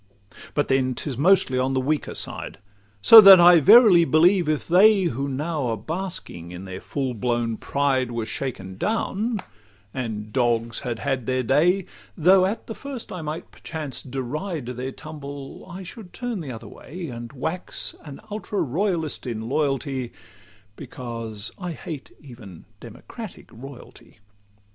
But then 'tis mostly on the weaker side; So that I verily believe if they Who now are basking in their full blown pride Were shaken down, and 'dogs had had their day,' Though at the first I might perchance deride Their tumble, I should turn the other way, And wax an ultra royalist in loyalty, Because I hate even democratic royalty.